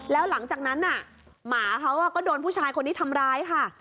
แล้วหลังจากนั้นน่ะหมาเขาก็โดนผู้ชายคนนี้ทำร้ายค่ะ